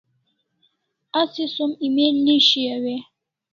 Asi som email ne shaiu e ?